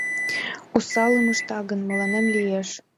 «Осалым ышта гын, мыланем лиеш.